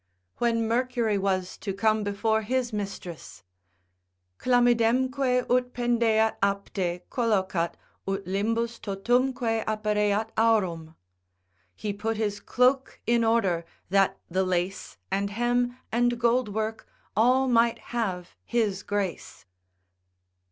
When Mercury was to come before his mistress, ———Chlamydemque ut pendeat apte Collocat, ut limbus totumque appareat aurum. He put his cloak in order, that the lace. And hem, and gold work, all might have his grace.